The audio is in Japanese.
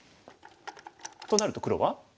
となると黒は？